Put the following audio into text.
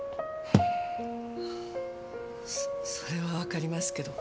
それはわかりますけど。